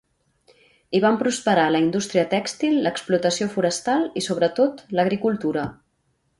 Hi van prosperar la indústria tèxtil, l'explotació forestal i, sobretot, l'agricultura.